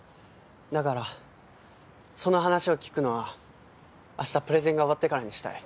だからその話を聞くのは明日プレゼンが終わってからにしたい。